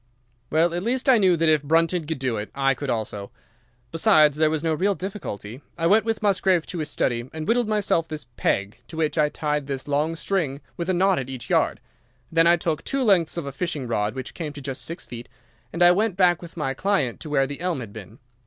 "Well, at least I knew that if Brunton could do it, I could also. Besides, there was no real difficulty. I went with Musgrave to his study and whittled myself this peg, to which I tied this long string with a knot at each yard. Then I took two lengths of a fishing rod, which came to just six feet, and I went back with my client to where the elm had been.